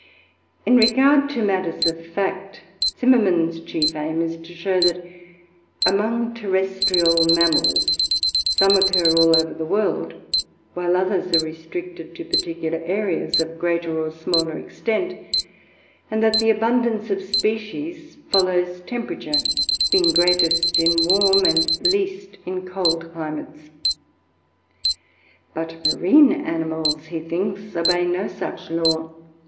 In regard to matters of fact, Zimmermann's chief aim is to show that among terrestrial mammals, some occur all over the world, while others are restricted to particular areas of greater or smaller extent; and that the abundance of species follows temperature, being greatest in warm and least in cold climates. But marine animals, he thinks, obey no such law.